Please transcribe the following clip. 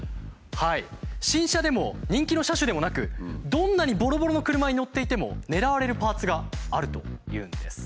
新車でも人気の車種でもなくどんなにボロボロの車に乗っていても狙われるパーツがあるというんです。